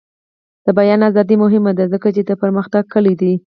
د بیان ازادي مهمه ده ځکه چې د پرمختګ کلي ده.